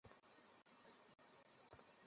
আর আমি তখন ইসলামের তিনজনের একজন।